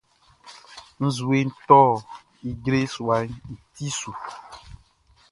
Nzueʼn tɔ ijre suaʼn i ti su.